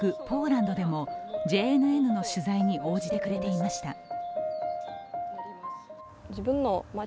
ポーランドでもＪＮＮの取材に応じてくれていました